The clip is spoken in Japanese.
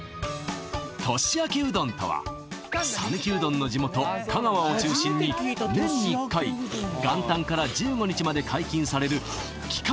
年明けうどんとは讃岐うどんの地元香川を中心に年に１回元旦から１５日まで解禁される期間